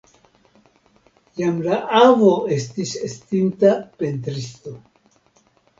Jam la avo estis estinta pentristo.